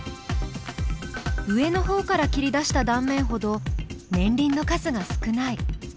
上のほうから切り出した断面ほど年輪の数が少ない。